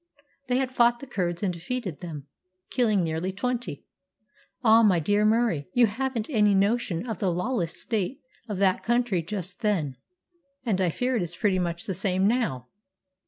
They had fought the Kurds and defeated them, killing nearly twenty. Ah, my dear Murie, you haven't any notion of the lawless state of that country just then! And I fear it is pretty much the same now."